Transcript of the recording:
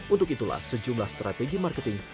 untuk itulah sejumlah strategi marketing